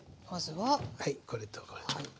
はいこれとこれ。